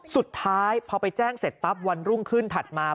สุดท้ายพอไปแจ้งเสร็จปั๊บวันรุ่งขึ้นถัดมา